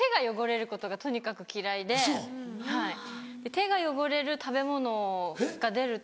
手が汚れる食べ物が出ると。